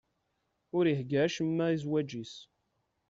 Ur ihegga acemma i zzwaǧ-is.